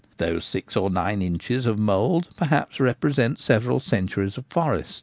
Those six or nine inches of mould perhaps represent several centuries of forest.